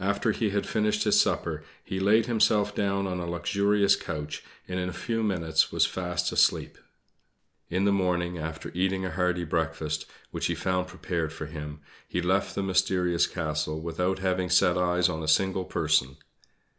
After he had finished his supper he laid himself down on a luxurious couch, and in a few minutes was fast asleep. In the morning, after eating a hearty breakfast, which he found prepared for him, he left the mysterious castle, without having set eyes on a single person.